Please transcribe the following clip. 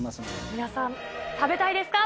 皆さん、食べたいですか？